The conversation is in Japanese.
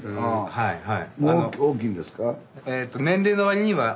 はいはい。